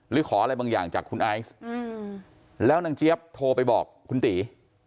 หรือขออะไรบางอย่างจากคุณไอซ์แล้วนางเจี๊ยบโทรไปบอกคุณตี